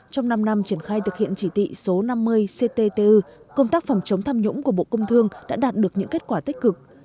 trong năm năm triển khai thực hiện chỉ thị số năm mươi cttu công tác phòng chống tham nhũng của bộ công thương đã đạt được những kết quả tích cực